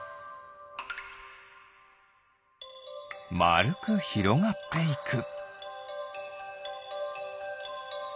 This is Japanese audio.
まるくひろがっていく。